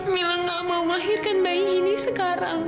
mila gak mau melahirkan bayi ini sekarang